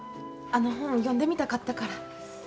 あの本読んでみたかったから。